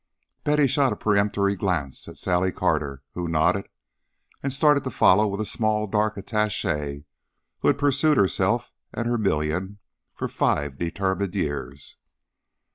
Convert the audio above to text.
Betty shot a peremptory glance at Sally Carter, who nodded and started to follow with a small dark attache who had pursued herself and her million for five determined years.